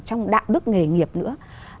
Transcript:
trong đạo đức nghề nghiệp nữa